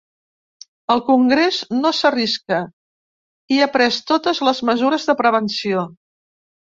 El congrés no s’arrisca i ha pres totes les mesures de prevenció.